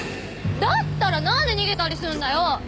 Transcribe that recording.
だったらなんで逃げたりすんだよ！